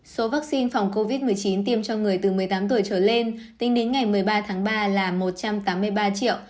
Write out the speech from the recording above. số vaccine phòng covid một mươi chín tiêm cho người từ một mươi tám tuổi trở lên tính đến ngày một mươi ba tháng ba là một trăm tám mươi ba một trăm hai mươi bảy bốn trăm bốn mươi một liều